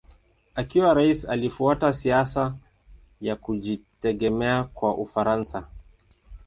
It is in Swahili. Akiwa rais alifuata siasa ya kujitegemea kwa Ufaransa.